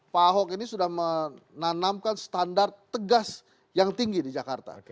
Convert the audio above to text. pak ahok ini sudah menanamkan standar tegas yang tinggi di jakarta